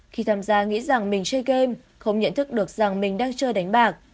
khi tham gia nghĩ rằng mình chơi game không nhận thức được rằng mình đang chơi đánh bạc